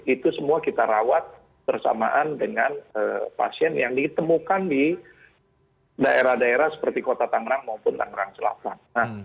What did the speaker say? itu semua kita rawat bersamaan dengan pasien yang ditemukan di daerah daerah seperti kota tangerang maupun tangerang selatan